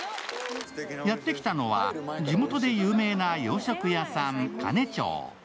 やって来たのは地元で有名な洋食屋さん、金長。